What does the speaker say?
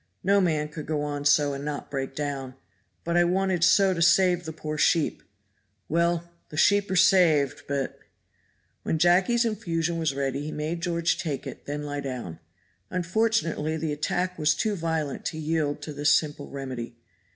No man could go on so and not break down; but I wanted so to save the poor sheep. Well, the sheep are saved; but " When Jacky's infusion was ready he made George take it and then lie down. Unfortunately the attack was too violent to yield to this simple remedy.